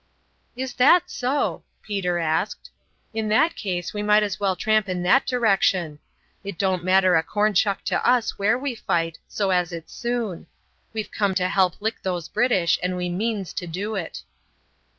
"Is that so?" Peter asked. "In that case we might as well tramp in that direction. It don't matter a corn shuck to us where we fight, so as it's soon. We've come to help lick these British, and we means to do it."